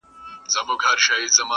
چي په غم او په ښادي کي خوا په خوا سي؛